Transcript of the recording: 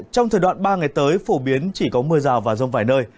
trong thời đoạn ba ngày tới phổ biến chỉ có mưa rào và rông vài nơi